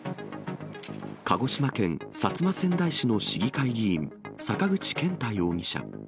鹿児島県薩摩川内市の市議会議員、坂口健太容疑者。